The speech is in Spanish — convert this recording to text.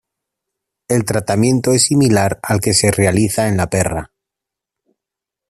El tratamiento es similar al que se realiza en la perra.